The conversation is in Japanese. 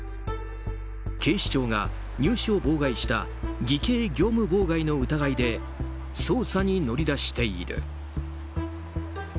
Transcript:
警視庁が、入試を妨害した偽計業務妨害の疑いで捜査に乗り出している。